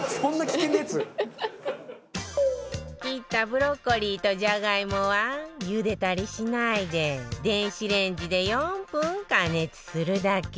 切ったブロッコリーとジャガイモはゆでたりしないで電子レンジで４分加熱するだけ